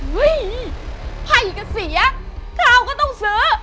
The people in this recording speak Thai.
เฮ้ยไห้กระเสียข้าวก็ต้องเสื้อ